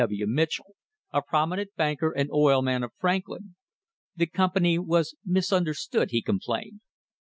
W. Mitchell, a prominent banker and oil man of Franklin. The company was misunderstood, he complained.